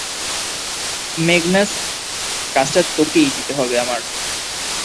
Magnus, কাজটা তোকেই দিতে হবে আমার।